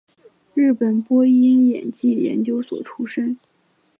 日本播音演技研究所出身。